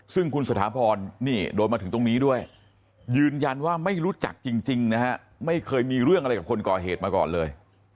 ซึ่งคุณสถาพรนี่โดนมาถึงตรงนี้ด้วยยืนยันว่าไม่รู้จักจริงนะฮะไม่เคยมีเรื่องอะไรกับคนก่อเหตุมาก่อนเลย